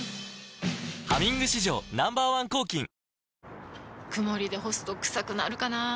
「ハミング」史上Ｎｏ．１抗菌曇りで干すとクサくなるかなぁ。